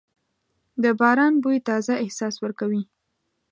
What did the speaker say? د باران بوی تازه احساس ورکوي.